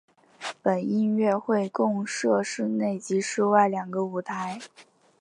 本音乐会共设室内及室外两个舞台。